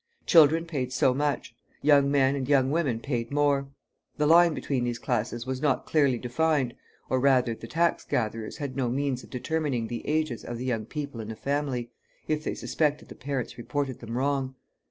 Children paid so much. Young men and young women paid more. The line between these classes was not clearly defined, or, rather, the tax gatherers had no means of determining the ages of the young people in a family, if they suspected the parents reported them wrong.